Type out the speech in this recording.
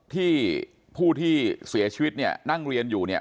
ที่ผู้ที่เสียชีวิตเนี่ยนั่งเรียนอยู่เนี่ย